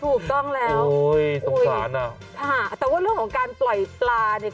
ถูกต้องแล้วโอ้ยสงสารอ่ะค่ะแต่ว่าเรื่องของการปล่อยปลาเนี่ย